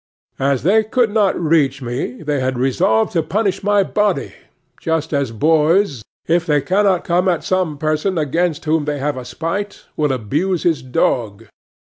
As they could not reach me, they had resolved to punish my body; just as boys, if they cannot come at some person against whom they have a spite, will abuse his dog.